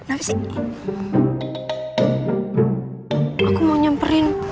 aku mau nyemperin